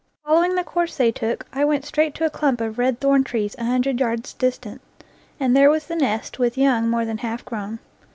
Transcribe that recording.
Following the course they took, I went straight to a clump of red thorn trees a hundred yards distant, and there was the nest, with young more than half grown.